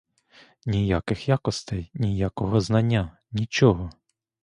Ніяких якостей, ніякого знання, нічого.